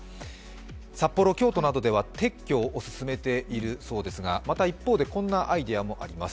札幌、京都などでは撤去を進めているそうですがまた一方でこんなアイデアもあります。